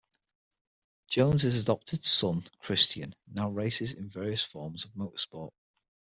Jones' adopted son Christian now races in various forms of motorsport.